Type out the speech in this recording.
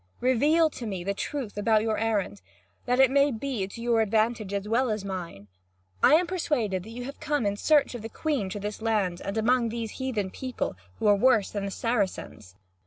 Reveal to me the truth about your errand, that it may be to your advantage as well as mine. I am persuaded that you have come in search of the Queen into this land and among these heathen people, who are worse than the Saracens."